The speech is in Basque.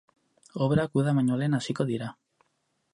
Obrak uda baino lehen hasiko dira.